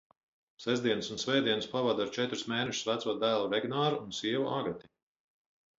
Sestdienas un svētdienas pavadu ar četrus mēnešus veco dēlu Regnāru un sievu Agati.